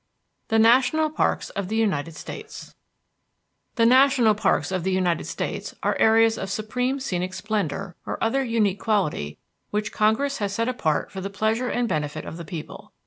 I THE NATIONAL PARKS OF THE UNITED STATES The National Parks of the United States are areas of supreme scenic splendor or other unique quality which Congress has set apart for the pleasure and benefit of the people.